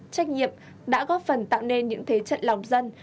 trách nhiệm đã góp phần tạo nên những thế trận lòng dân